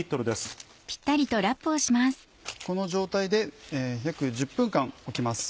この状態で約１０分間置きます。